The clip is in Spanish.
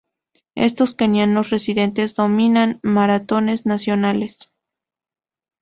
Estos Kenianos residentes dominan maratones nacionales.